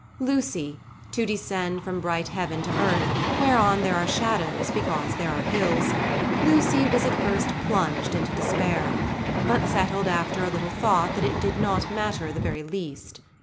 Lucy—to descend from bright heaven to earth, whereon there are shadows because there are hills—Lucy was at first plunged into despair, but settled after a little thought that it did not matter the very least.